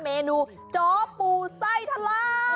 เมนูจ๋อปูไส้ทะลัก